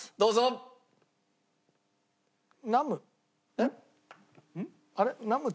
えっ？